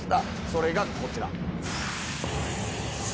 それがこちら。